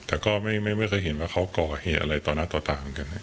แต่ก็ไม่เคยเห็นว่าเขาก่อเหตุอะไรต่อหน้าต่อตาเหมือนกัน